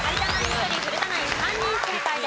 １人古田ナイン３人正解です。